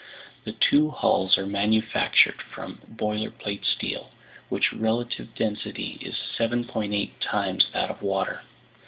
"The two hulls are manufactured from boilerplate steel, whose relative density is 7.8 times that of water.